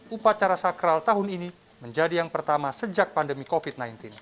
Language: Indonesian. upacara sakral tahun ini menjadi yang pertama sejak pandemi covid sembilan belas